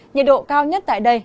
nhiệt độ cao nhất tại đây